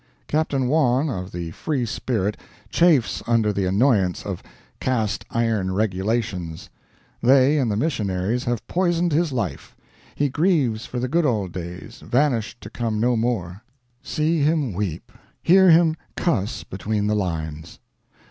Captain Wawn of the free spirit chafes under the annoyance of "cast iron regulations." They and the missionaries have poisoned his life. He grieves for the good old days, vanished to come no more. See him weep; hear him cuss between the lines!